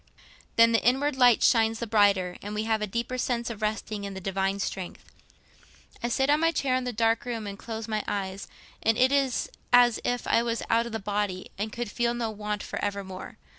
Then the inward light shines the brighter, and we have a deeper sense of resting on the Divine strength. I sit on my chair in the dark room and close my eyes, and it is as if I was out of the body and could feel no want for evermore.